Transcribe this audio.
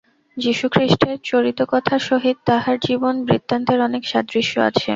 যীশুখ্রীষ্টের চরিতকথার সহিত তাঁহার জীবন বৃত্তান্তের অনেক সাদৃশ্য আছে।